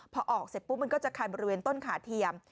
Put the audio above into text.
พอออกเสร็จปุ๊บมันก็จะคันบริเวณต้นขาเทียม